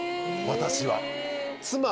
私は。